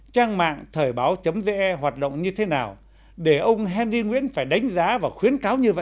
trang mạng thời báo vn